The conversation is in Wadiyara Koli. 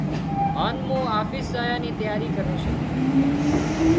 هانَ مُون آفيس زايا نِي تياري ڪروُن سُون۔